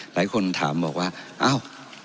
หลายคนถามบอกว่าอ้าว